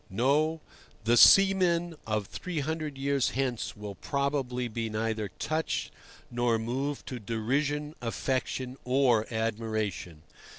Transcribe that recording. No; the seamen of three hundred years hence will probably be neither touched nor moved to derision, affection, or admiration.